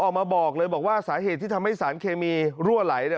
ออกมาบอกเลยบอกว่าสาเหตุที่ทำให้สารเคมีรั่วไหลเนี่ย